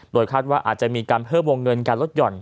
โดยคาดว่าอาจจะมีการเพิ่มวงเงินการลดห่อน